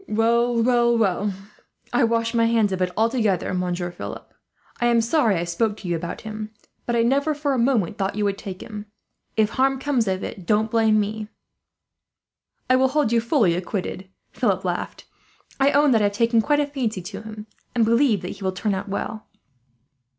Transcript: "Well, well, well, I wash my hands of it altogether, Monsieur Philip. I am sorry I spoke to you about him, but I never for a moment thought you would take him. If harm comes of it, don't blame me." "I will hold you fully acquitted," Philip laughed. "I own that I have taken quite a fancy to him, and believe that he will turn out well."